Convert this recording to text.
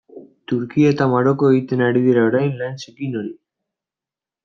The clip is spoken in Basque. Turkia eta Maroko egiten ari dira orain lan zikin hori.